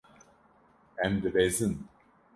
Em dibezin.